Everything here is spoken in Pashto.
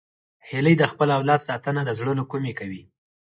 هیلۍ د خپل اولاد ساتنه د زړه له کومي کوي